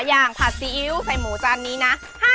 อย่างผัดซีอิ๊วใส่หมูจานนี้นะ